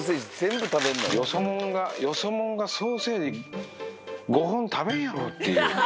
よそもんが、よそもんがソーセージ５本食べんやろっていう。